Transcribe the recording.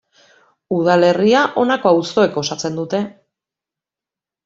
Udalerria honako auzoek osatzen dute.